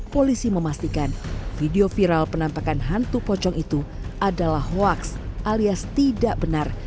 polisi memastikan video viral penampakan hantu pocong itu adalah hoaks alias tidak benar